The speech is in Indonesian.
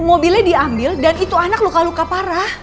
mobilnya diambil dan itu anak luka luka parah